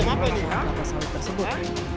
di kota kota sawit tersebut